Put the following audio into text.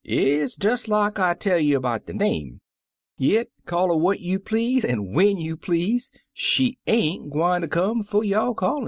It's des like I tell you 'bout de name, yit, call 'er what you please an' when you please, she ain't gwincter come fer yo* callin'.